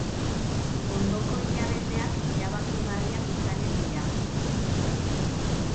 Ondoko hilabeteak erabakigarriak izanen dira.